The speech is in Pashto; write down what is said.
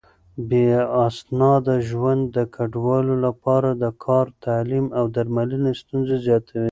بې اسناده ژوند د کډوالو لپاره د کار، تعليم او درملنې ستونزې زياتوي.